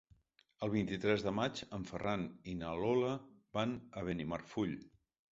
El vint-i-tres de maig en Ferran i na Lola van a Benimarfull.